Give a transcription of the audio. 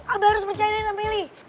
abah harus percaya deh sama meli